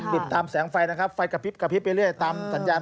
ติดตามแสงไฟนะครับไฟกระพริบกระพริบเรื่อยตามสัญญาณ